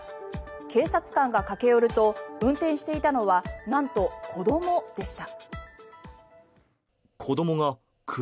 警察官が駆け寄ると運転していたのはなんと、子どもでした。